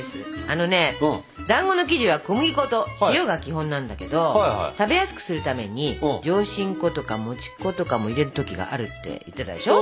あのねだんごの生地は小麦粉と塩が基本なんだけど食べやすくするために上新粉とかもち粉とかも入れる時があるって言ってたでしょ？